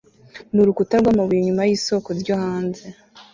nurukuta rwamabuye inyuma yisoko ryo hanze